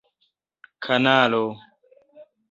kanalo